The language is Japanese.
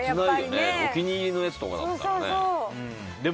お気に入りのやつとかだったらね。